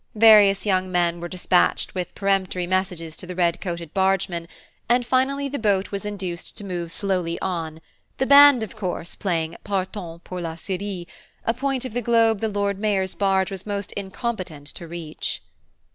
Various young men were despatched with peremptory messages to the red coated bargemen, and finally the boat was induced to move slowly on, the band of course playing Partant pour la Syrie, a point of the globe the Lord Mayor's barge was most incompetent to reach.